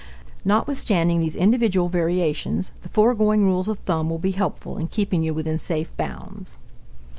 Notwithstanding these individual variations, the foregoing rules of thumb will be helpful in keeping you within safe bounds.